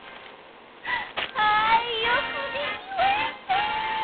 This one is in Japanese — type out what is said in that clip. はーいよくできました！